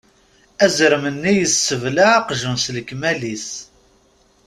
Azrem-nni yessebleε aqjun s lekmal-is.